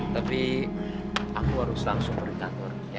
tapi aku harus langsung pergi kantor ya